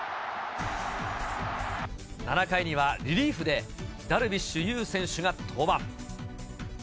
７回にはリリーフで、ダルビッシュ有選手が登板。